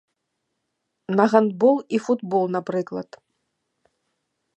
На гандбол і футбол, напрыклад.